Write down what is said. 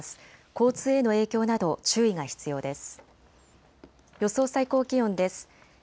交通への影響など注意が必要です。